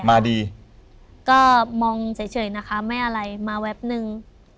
มาดีก็มองเฉยนะคะไม่อะไรมาแวบนึง